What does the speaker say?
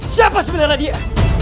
siapa sebenarnya dia